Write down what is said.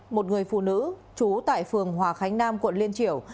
một người phụ nữ chú tại phường hòa khánh nam quận liên triều